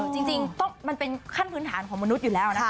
จริงมันเป็นขั้นพื้นฐานของมนุษย์อยู่แล้วนะคะ